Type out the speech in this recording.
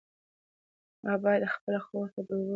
ما باید خپلې خور ته د اوبو په راوړلو کې مرسته کړې وای.